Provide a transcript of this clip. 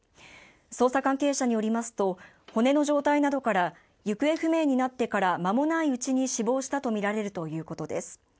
捜査関係者によりますと、骨の状態などから行方不明になってから間もないうちに死亡したとみられるということです。